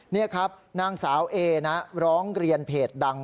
นี่ครับนางสาวเอนะร้องเรียนเพจดัง